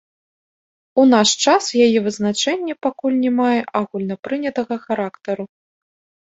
У наш час яе вызначэнне пакуль не мае агульна прынятага характару.